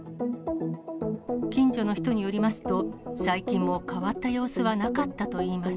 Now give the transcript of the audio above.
近所の人によりますと、最近も変わった様子はなかったといいます。